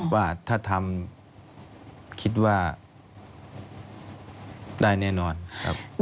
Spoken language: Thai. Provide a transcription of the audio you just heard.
ว่าถ้าทำคิดว่าได้แน่นอนครับ